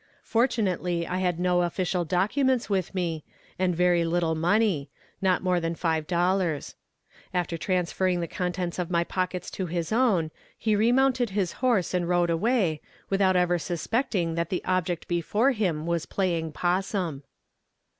Fortunately, I had no official documents with me, and very little money not more than five dollars. After transferring the contents of my pockets to his own, he re mounted his horse and rode away, without ever suspecting that the object before him was playing possum. [Illustration: PLAYING POSSUM.